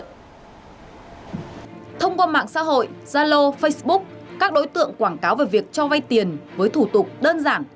thông qua mạng xã hội zalo facebook các đối tượng quảng cáo về việc cho vay tiền với thủ tục đơn giản